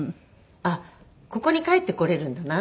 あっここに帰ってこれるんだな。